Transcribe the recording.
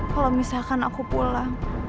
kalau misalkan aku pulang